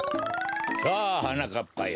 さあはなかっぱよ。